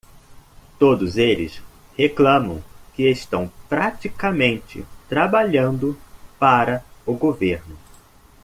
Todos eles reclamam que estão praticamente trabalhando para o governo.